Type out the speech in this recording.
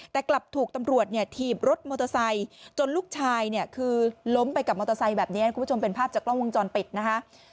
แต่กลับถูกตำรวจเนี่ยถีบรถมอเตอร์ไซค์จนลูกชายเนี่ยคือล้มไปกับมอเตอร์ไซค์แบบนี้คุณผู้ชมเป็นภาพจากกล้องวงจรปิดนะคะ